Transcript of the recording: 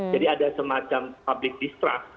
jadi ada semacam public distrust